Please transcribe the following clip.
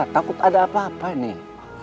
takut ada apa apa nih